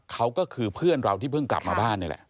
เขาก็คือเพื่อนเราที่เพิ่งกลับมาบ้านนี่แหละ